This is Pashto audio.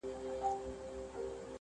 سل زنځیره مي شلولي دي ازاد یم.